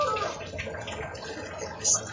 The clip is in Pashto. د حلوا به وي محتاجه د خیرات کاسو روزلی